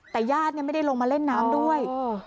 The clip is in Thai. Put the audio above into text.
แต่ญาติไม่ได้ลงมาเล่นน้ำด้วย